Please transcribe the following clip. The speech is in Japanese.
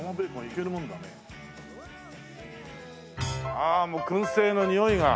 ああもう燻製の匂いが。